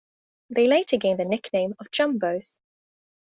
They later gained the nickname of Jumbos.